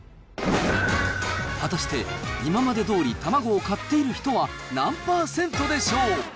果たして今までどおり卵を買っている人は何％でしょう？